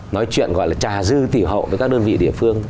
nói chuyện gọi là trà dư tiểu hậu với các đơn vị địa phương